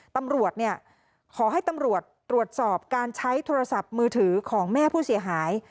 ตำรวจขอให้ตำรวจตรวจสอบการใช้โทรศัพท์มือถือของแม่ผู้เสียหาย